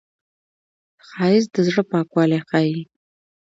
ښایست د زړه پاکوالی ښيي